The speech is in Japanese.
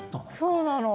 そうなの。